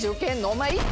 お前。